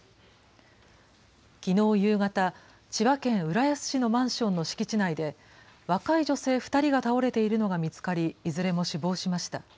きのう夕方、千葉県浦安市のマンションの敷地内で、若い女性２人が倒れているのが見つかり、いずれも死亡しました。